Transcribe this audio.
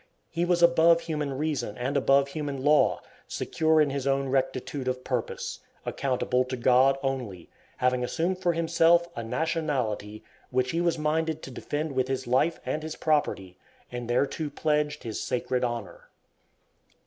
He was above human reason and above human law, secure in his own rectitude of purpose, accountable to God only, having assumed for himself a "nationality," which he was minded to defend with his life and his property, and thereto pledged his sacred honor.